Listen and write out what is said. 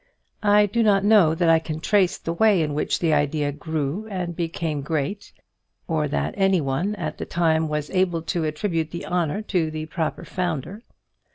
I do not know that I can trace the way in which the idea grew and became great, or that anyone at the time was able to attribute the honour to the proper founder.